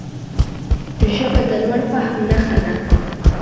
ژبه د لوړ فهم نښه ده